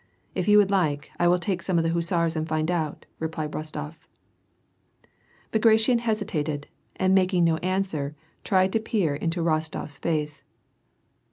If you would like, I will take some of the hussars and find out," replied Rostof. Bagration hesitated, and making no answer, tried to peer in to Rostof's face.